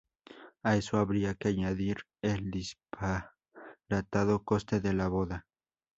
A eso habría que añadir el disparatado coste de la boda.